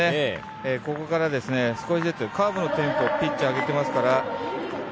ここからですね少しずつカーブのテンポをピッチ上げていますから。